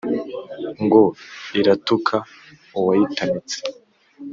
ngo iratuka uwayitamitse